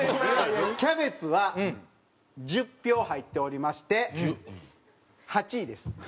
キャベツは１０票入っておりまして８位です。